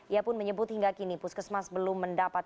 ia pun menyebut hingga kini puskesmas belum mendapat